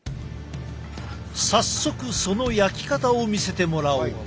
早速その焼き方を見せてもらおう。